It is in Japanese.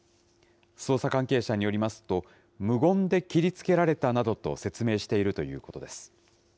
捜査関係者によりますと、無言で切りつけられたなどと説明しているということです。